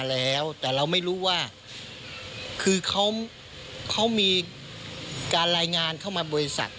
แล้วแต่เราไม่รู้ว่าคือเขามีการรายงานเข้ามาบริษัท